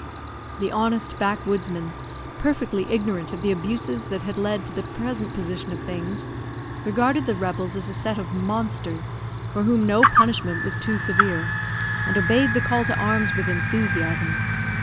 The honest backwoodsman, perfectly ignorant of the abuses that had led to the present position of things, regarded the rebels as a set of monsters, for whom no punishment was too severe, and obeyed the call to arms with enthusiasm.